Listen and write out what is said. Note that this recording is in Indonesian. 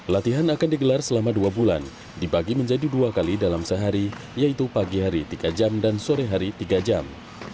latihan akan digelar selama dua bulan dibagi menjadi dua kali dalam sehari yaitu pagi hari tiga jam dan sore hari tiga jam